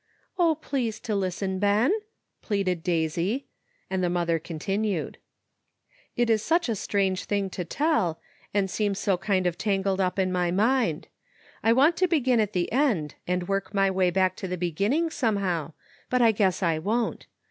" 0, please to listen, Ben! " pleaded Daisy, and the mother continued.] It is such a strange thing to tell, and seems so kind of tangled up in my mind; I want to begin at the end and work my way back to the beginning, somehow, but I guess I won't.